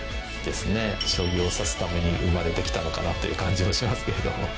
将棋を指すために生まれてきたのかなという感じはしますけれども。